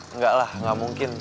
enggak lah gak mungkin